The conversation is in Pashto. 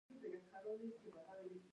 د پوزې د پاکوالي لپاره کوم څاڅکي وکاروم؟